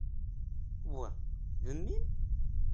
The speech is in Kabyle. Wa, d mmi-m?